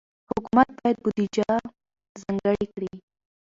حکومت باید بودجه ځانګړې کړي.